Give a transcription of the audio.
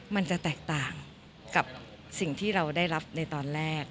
มันจะแตกต่างกับสิ่งที่เราได้รับในตอนแรก